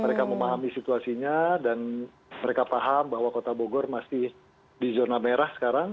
mereka memahami situasinya dan mereka paham bahwa kota bogor masih di zona merah sekarang